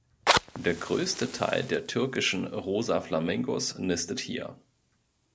Der größte Teil der türkischen Rosaflamingos nistet hier.